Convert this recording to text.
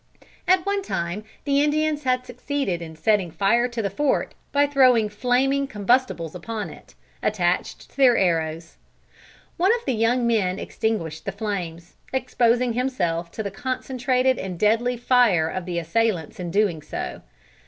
At one time the Indians had succeeded in setting fire to the fort, by throwing flaming combustibles upon it, attached to their arrows. One of the young men extinguished the flames, exposing himself to the concentrated and deadly fire of the assailants in doing so.